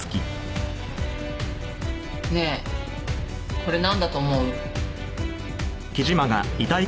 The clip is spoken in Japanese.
ねえこれなんだと思う？